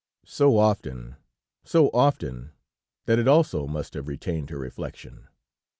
So often, so often, that it also must have retained her reflection.